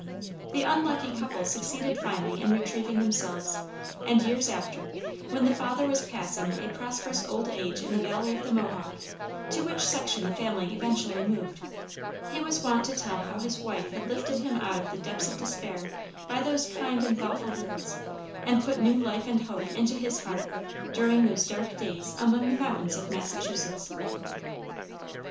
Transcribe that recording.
The unlucky couple succeeded finally in retrieving themselves, and years after, when the father was passing a prosperous old age in the valley of the Mohawk, to which section the family eventually moved, he was wont to tell how his wife had lifted him out of the depths of despair by those kind and thoughtful words, and put new life and hope into his heart during those dark days among the mountains of Massachusetts.